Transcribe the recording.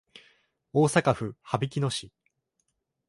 大阪府羽曳野市